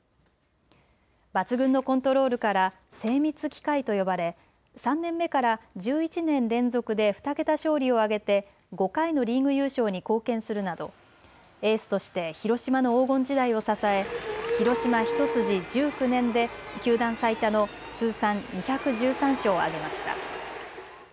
抜群のコントロールから精密機械と呼ばれ３年目から１１年連続で２桁勝利を挙げて５回のリーグ優勝に貢献するなどエースとして広島の黄金時代を支え広島一筋、１９年で球団最多の通算２１３勝を挙げました。